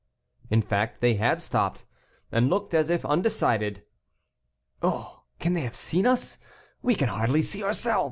In fact, they had stopped, and looked as if undecided. "Oh, can they have seen us?" "We can hardly see ourselves!"